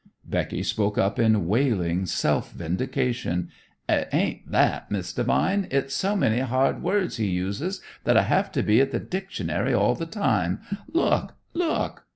Becky spoke up in wailing self vindication. "It ain't that, Miss Devine. It's so many hard words he uses that I have to be at the dictionary all the time. Look! Look!"